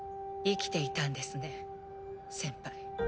生きていたんですね先輩。